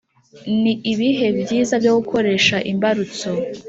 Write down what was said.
ni ibihe byiza byo gukoresha imbarutso